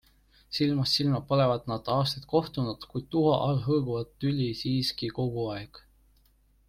Silmast silma polevat nad aastaid kohtunud, kuid tuha all hõõguvat tüli siiski kogu aeg.